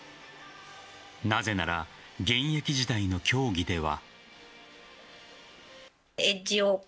なぜなら現役時代の競技では。